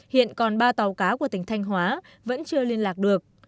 hiện còn ba tàu cá của tỉnh thanh hóa vẫn chưa liên lạc được